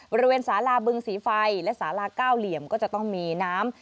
บริเวณสาลาบึงสีไฟและสาลาเก้าเหลี่ยมก็จะต้องมีน้ำ